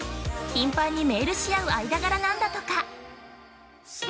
頻繁にメールし合う間柄なんだとか！